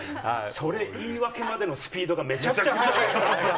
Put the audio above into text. それ、言い訳までのスピードが、めちゃくちゃはやい。